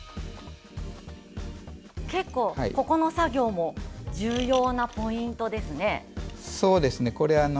結構、ここの作業も重要なポイントですね。